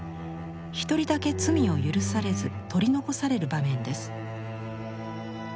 一人だけ罪を許されず取り残される場面です。